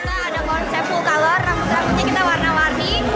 ada konsep full color rambut rambutnya kita warna warni